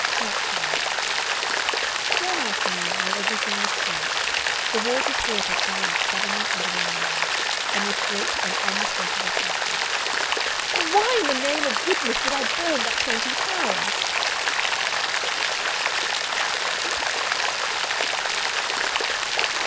Part 5 One afternoon, while everything was still, the wardress heard her cry out suddenly and alarmingly, and with great and unmistakable passion, "Why in the name of goodness did I burn that twenty pounds?"